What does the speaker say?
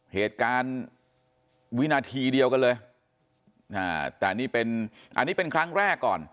เหตุการณ์วินาทีเดียวกันเลยแต่นี่เป็นอันนี้เป็นครั้งแรกก่อน